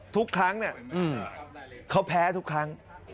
ทุกครั้งเขาแพ้ทุกครั้ง